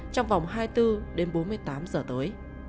trong vòng hai mươi bốn đến bốn mươi tám giờ tối